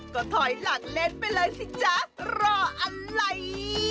ก็ถอยหลังเล่นไปเลยสิจ๊ะรออะไร